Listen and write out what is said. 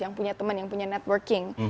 yang punya teman yang punya networking